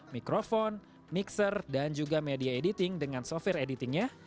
mikrofon mixer dan juga media editing dengan software editingnya